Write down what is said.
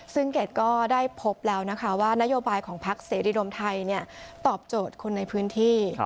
ซึ่งเกดก็ได้พบแล้วนะคะว่านโยบายของพักเสรีรวมไทยตอบโจทย์คนในพื้นที่